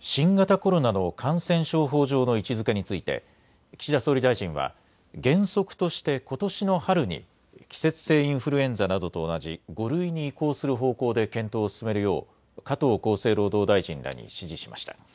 新型コロナの感染症法上の位置づけについて岸田総理大臣は原則としてことしの春に季節性インフルエンザなどと同じ５類に移行する方向で検討を進めるよう加藤厚生労働大臣らに指示しました。